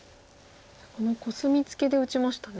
コスミツケで打ちましたね。